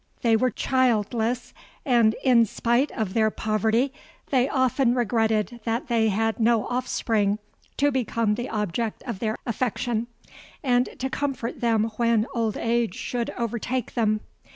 They were childless; and, in spite of their poverty, they often regretted that they had no offspring to become the object of their affection, and to comfort them when old age should overtake them.